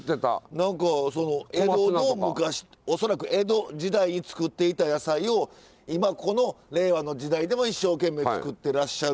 何かその江戸の昔恐らく江戸時代に作っていた野菜を今この令和の時代でも一生懸命作ってらっしゃる方がいらっしゃる。